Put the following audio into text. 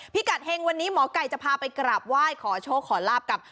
พิกัดเฮงวันนี้หมอไก่จะพาไปกราบไหว้ขอโชคขอลาบกับ